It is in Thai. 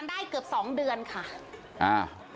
เกือบ๒เดือนค่ะ